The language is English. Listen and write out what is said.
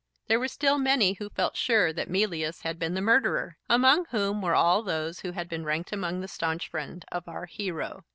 There were still many who felt sure that Mealyus had been the murderer, among whom were all those who had been ranked among the staunch friends of our hero.